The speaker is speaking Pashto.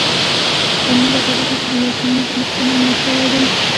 ما ځان ډاډه کړ چي پاسیني رښتیا هم مړی شوی دی.